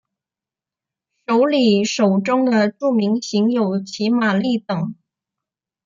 首里手中的著名型有骑马立等。